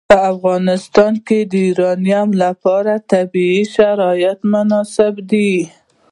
په افغانستان کې د یورانیم لپاره طبیعي شرایط مناسب دي.